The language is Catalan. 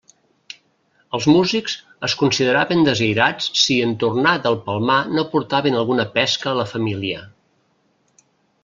Els músics es consideraven desairats si en tornar del Palmar no portaven alguna pesca a la família.